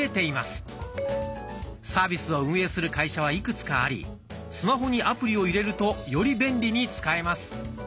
サービスを運営する会社はいくつかありスマホにアプリを入れるとより便利に使えます。